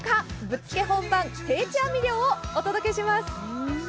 ぶっつけ本番、定置網漁をお届けします。